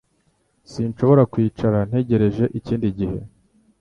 Sinshobora kwicara ntegereje ikindi gihe